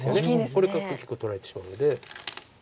これが結局取られてしまうので。